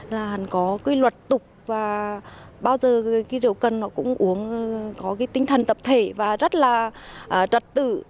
là có cái luật tục và bao giờ cái rượu cần nó cũng uống có cái tinh thần tập thể và rất là trật tự